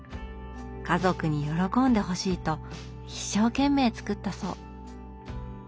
家族に喜んでほしいと一生懸命作ったそう。